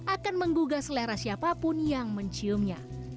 akan menggugah selera siapapun yang menciumnya